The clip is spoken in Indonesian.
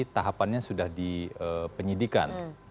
tahapannya sudah dipenyidikan